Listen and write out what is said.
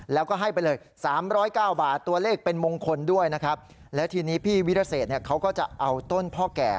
แล้วก็ให้ไปเลย๓๐๙บาทตัวเลขเป็นมงคลด้วยนะครับแล้วทีนี้พี่วิรเศษเนี่ยเขาก็จะเอาต้นพ่อแก่